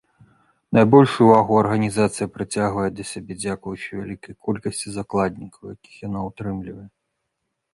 Найбольшую ўвагу арганізацыя прыцягвае да сябе дзякуючы вялікай колькасці закладнікаў, якіх яна ўтрымлівае.